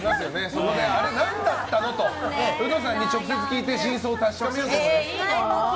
そこで、あれ何だったのとうのさんに直接聞いて真相を確かめようということですね。